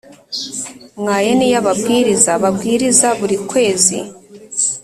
Mwayeni y ababwiriza babwiriza buri kwezi